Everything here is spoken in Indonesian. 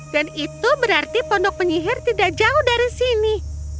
dan itu berarti pondok penyihir tidak jauh dari sini